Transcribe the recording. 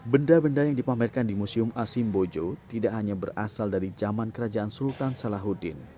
benda benda yang dipamerkan di museum asimbojo tidak hanya berasal dari zaman kerajaan sultan salahuddin